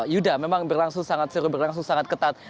yuda memang berlangsung sangat seru berlangsung sangat ketat